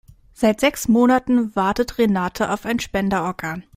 Seit sechs Monaten wartet Renate auf ein Spenderorgan.